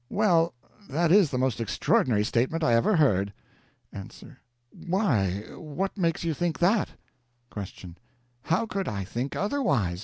Well, that is the most extraordinary statement I ever heard! A. Why, what makes you think that? Q. How could I think otherwise?